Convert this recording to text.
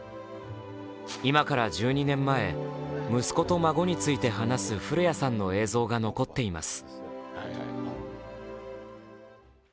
今から１２年前、息子と孫について話す古谷さんの映像が残っています。